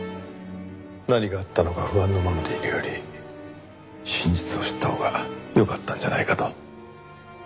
何があったのか不安のままでいるより真実を知ったほうがよかったんじゃないかと。